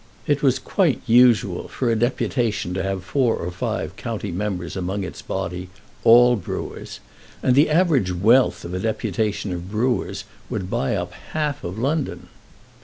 It was quite usual for a deputation to have four or five County members among its body, all Brewers; and the average wealth of a deputation of Brewers would buy up half London.